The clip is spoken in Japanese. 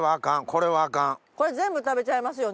これ全部食べちゃいますよね。